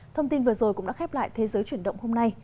thông tin vừa rồi cũng đã khép lại thế giới chuyển động hôm nay